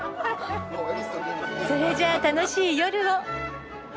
それじゃあ楽しい夜を！